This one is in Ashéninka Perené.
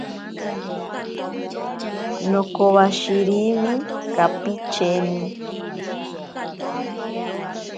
Nokowashirimi kapicheni.